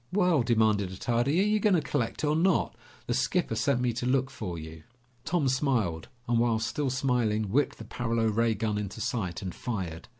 "Well," demanded Attardi, "are you going to collect or not? The skipper sent me to look for you." Tom smiled, and while still smiling, whipped the paralo ray gun into sight and fired.